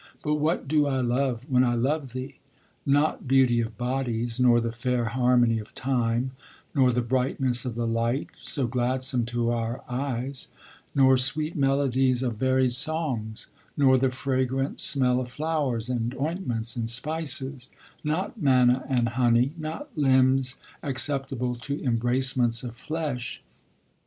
'But what do I love, when I love thee? not beauty of bodies, nor the fair harmony of time, nor the brightness of the light, so gladsome to our eyes, nor sweet melodies of varied songs, nor the fragrant smell of flowers, and ointments, and spices, not manna and honey, not limbs acceptable to embracements of flesh.